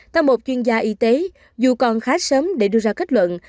theo một chuyên gia y tế dù còn khá sớm để đưa ra kết luận